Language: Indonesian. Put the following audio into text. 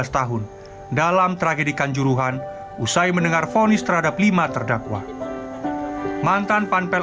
tahun dalam tragedikan juruhan usai mendengar ponis terhadap lima terdakwa mantan pampel